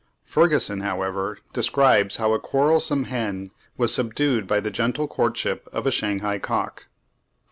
Ferguson, however, describes how a quarrelsome hen was subdued by the gentle courtship of a Shanghai cock.